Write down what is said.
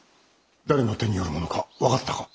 誰の手によるものか分かったか？